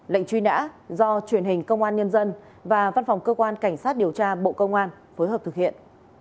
lệnh truy nã do truyền hình công an nhân dân và văn phòng cơ quan cảnh sát điều tra bộ công an phối hợp thực hiện